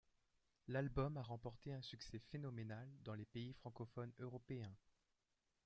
L'album a remporté un succès phénoménal dans les pays francophones européens.